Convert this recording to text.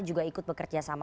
juga ikut bekerja sama